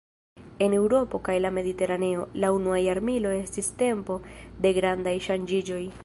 En Eŭropo kaj la Mediteraneo, la unua jarmilo estis tempo de grandaj ŝanĝiĝoj.